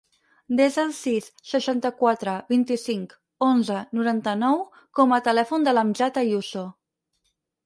Desa el sis, seixanta-quatre, vint-i-cinc, onze, noranta-nou com a telèfon de l'Amjad Ayuso.